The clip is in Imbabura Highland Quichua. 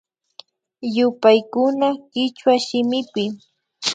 Yupaykuna kichwa shimipi